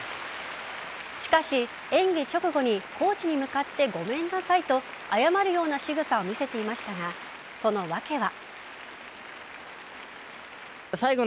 しかし、演技直後にコーチに向かってごめんなさいと謝るようなしぐさを見せていましたがその訳は。